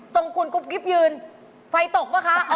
ตรงคุณกุ๊บกิ๊บยืนไฟตกป่ะคะ